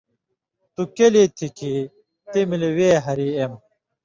”تُو کیٙلی تھی کھیں تی ملی وے ہریۡ اېم“